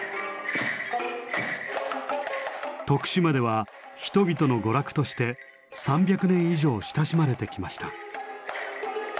徳島では人々の娯楽として３００年以上親しまれてきました。